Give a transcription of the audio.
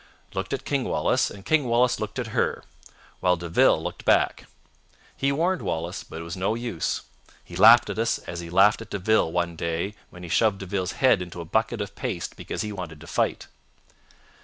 "—looked at King Wallace and King Wallace looked at her, while De Ville looked black. We warned Wallace, but it was no use. He laughed at us, as he laughed at De Ville one day when he shoved De Ville's head into a bucket of paste because he wanted to fight.